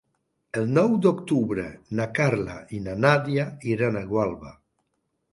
El nou d'octubre na Carla i na Nàdia iran a Gualba.